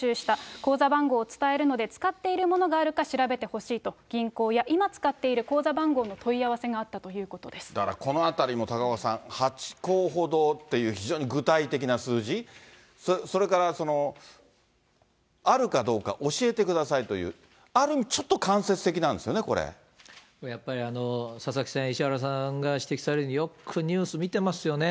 口座番号を伝えるので、使っているものがあるか調べてほしいと、銀行や今使っている口座番号の問い合わせがあったということだから、このあたりも高岡さん、８行ほどっていう、非常に具体的な数字、それからあるかどうか、教えてくださいという、ある意味ちょっと間接的なんですよね、こやっぱり、佐々木さん、石原さんが指摘されるように、よくニュース見てますよね。